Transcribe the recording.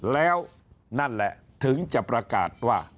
แล้วนั่นแหละถึงจะประกาศว่า